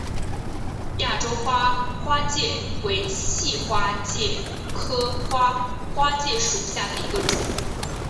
亚洲花花介为细花介科花花介属下的一个种。